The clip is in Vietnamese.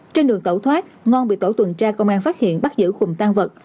trên đường tẩu thoát ngon bị tổ tuần tra công an phát hiện bắt giữ cùng tan vật